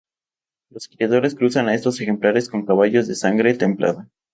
Los criadores cruzan a estos ejemplares con caballos de sangre templada.